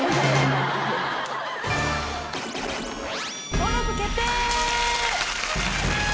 登録決定！